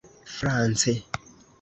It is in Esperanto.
france